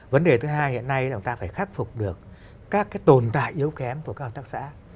vấn đề thứ hai hiện nay là chúng ta phải khắc phục được các cái tồn tại yếu kém của các hợp tác xã